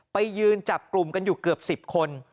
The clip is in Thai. ไปยืนจับกลุ่มกันอยู่เกือบ๑๐คน